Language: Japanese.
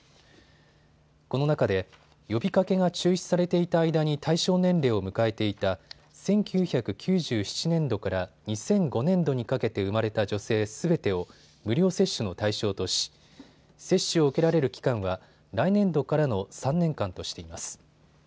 この中で、呼びかけが中止されていた間に対象年齢を迎えていた１９９７年度から２００５年度にかけて生まれた女性すべてを無料接種の対象とし、接種を受けられる期間は来年度からの３年間としています。